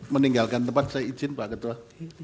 meninggalkan tempat saya izin pak ketua